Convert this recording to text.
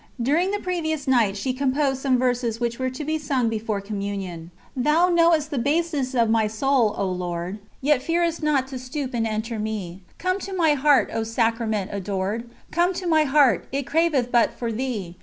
During the previous night she composed some verses which were to be sung before Communion. Thou know'st the baseness of my soul, O Lord, Yet fearest not to stoop and enter me. Come to my heart, O Sacrament adored! Come to my heart ... it craveth but for Thee!